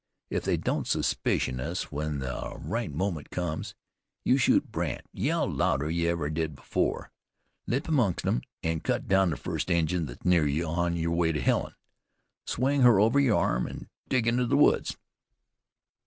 If they don't suspicion us, when the right moment comes you shoot Brandt, yell louder'n you ever did afore, leap amongst 'em, an' cut down the first Injun thet's near you on your way to Helen. Swing her over your arm, an' dig into the woods."